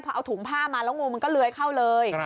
พอเอาถุงผ้ามาแล้วงูมันก็เลื้อยเข้าเลย